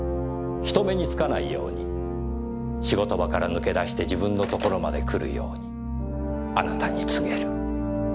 人目に付かないように仕事場から抜け出して自分の所まで来るようにあなたに告げる。